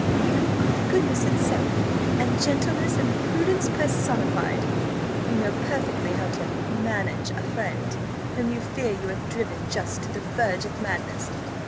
"You are goodness itself, and gentleness, and prudence personified. You know perfectly how to manage a friend, whom you fear you have driven just to the verge of madness.